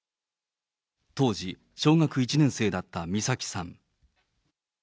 当時小学１年生だった美咲さん。